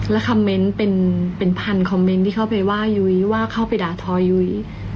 แล้วคอมเมนต์เป็นพันคอมเมนต์ที่เข้าไปว่ายุ้ยว่าเข้าไปด่าทอยุ้ย